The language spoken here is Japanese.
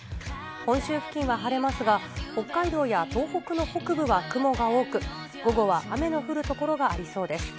本州付近は晴れますが、北海道や東北の北部は雲が多く、午後は雨の降る所がありそうです。